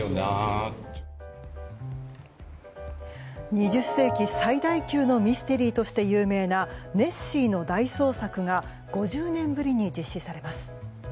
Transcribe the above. ２０世紀最大級のミステリーとして有名なネッシーの大捜索が５０年ぶりに実施されます。